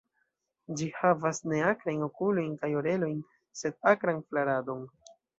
Ĝi havas neakrajn okulojn kaj orelojn, sed akran flaradon.